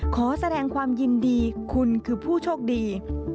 ขอแสดงความยินดีคุณคือผู้โชคดี